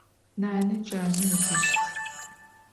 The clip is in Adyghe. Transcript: Nane cane ıdışt.